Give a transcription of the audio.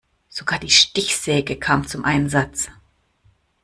Sogar die Stichsäge kam zum Einsatz.